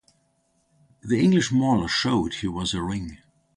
The English mauler showed he was a ring.